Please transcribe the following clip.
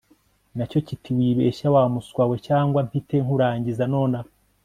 nacyo kiti wibeshya wa muswa we cyangwa mpite nkurangiza nonaha